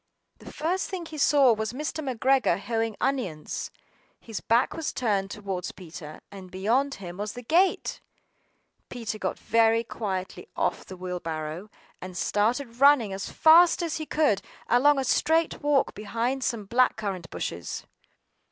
The first thing he saw was Mr. McGregor hoeing onions. His back was turned towards Peter, and beyond him was the gate! PETER got down very quietly off the wheelbarrow, and started running as fast as he could go, along a straight walk behind some black currant bushes.